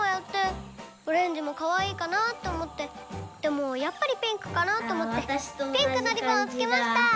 オレンジもかわいいかなって思ってでもやっぱりピンクかなって思ってピンクのリボンをつけました！